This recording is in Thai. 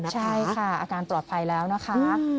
ใช่ค่ะอาการปลอดภัยแล้วนะคะ